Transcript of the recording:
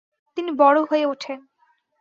তিনি বড় হয়ে উঠেন।